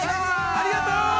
◆ありがとう。